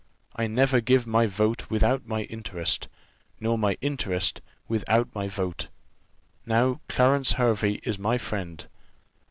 I never give my vote without my interest, nor my interest without my vote. Now Clarence Hervey is my friend.